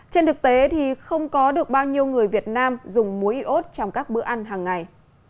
trên thực tế thì không có được bao nhiêu người việt nam dùng muối iốt trong các bữa ăn hàng ngày